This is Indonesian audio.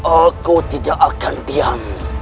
aku tidak akan diam